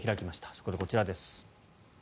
そこでこちらです。